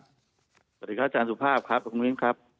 สวัสดีครับอาจารย์สุภาพครับคุณมิ้นครับ